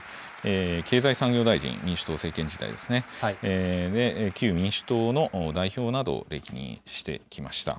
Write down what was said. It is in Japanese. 経済産業大臣、民主党政権時代ですね、旧民主党の代表などを歴任してきました。